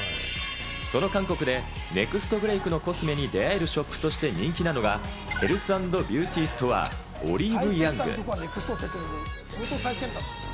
その韓国でネクストブレイクのコスメに出会えるショップとして人気なのがヘルス＆ビューティーストア、オリーブヤング。